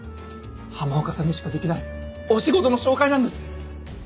浜岡さんにしかできないお仕事の紹介なんです！